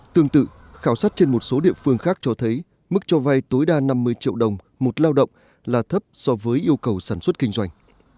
tương tự khảo sát trên một số địa phương khác cho thấy mức cho vay tối đa năm mươi triệu đồng một lao động là thấp so với yêu cầu sản xuất kinh doanh